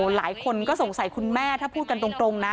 หลายคนก็สงสัยคุณแม่ถ้าพูดกันตรงนะ